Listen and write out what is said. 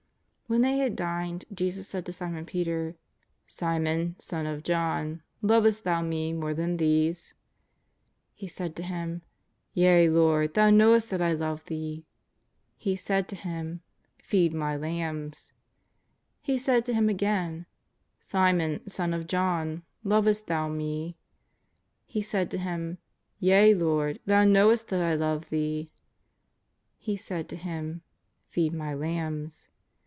When they had dined Jesus said to Simon Peter :^' Simon, son of John, lovest thou Me more than these V He said to Him :" Yea, Lord, Thou knowest that I love Thee.'' He said to him :'^ Feed My lambs." He said to him again :" Simon, son of John, lovest thou Me ?" He said to Him :" Yea, Lord, Thou knowest that I love Thee.'' He said to him :'* Feed My lambs."